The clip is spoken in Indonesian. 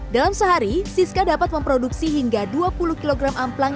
dalam sehari siska dapat memproduksi hingga dua puluh kg amplang